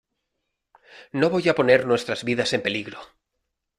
no voy a poner nuestras vidas en peligro.